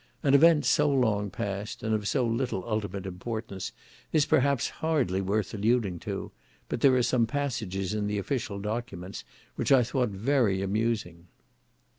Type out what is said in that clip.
An event so long past, and of so little ultimate importance, is, perhaps, hardly worth alluding to; but there are some passages in the official documents which I thought very amusing.